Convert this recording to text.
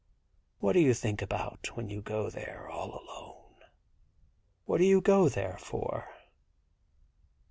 What do you think about when you go there all alone ? What do you go there for?'